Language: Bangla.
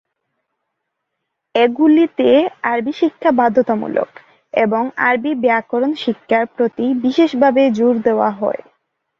এগুলিতে আরবি শিক্ষা বাধ্যতামূলক এবং আরবি ব্যাকরণ শিক্ষার প্রতি বিশেষভাবে জোর দেওয়া হয়।